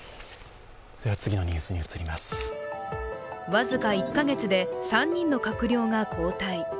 僅か１か月で３人の閣僚が交代。